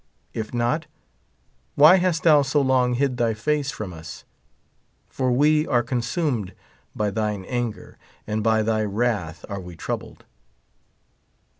If not, why hast thou so long hid thy face from us ? for we are con sumed by thine anger, and by thy wrath are we troubled.